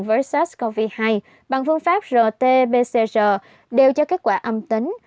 với sars cov hai bằng phương pháp rt pcr đều cho kết quả âm tính